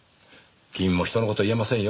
君も人の事言えませんよ。